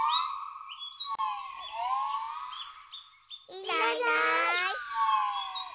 いないいない。